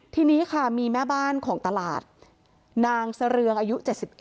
ทีนี้ค่ะมีแม่บ้านของตลาดนางเสริงอายุ๗๑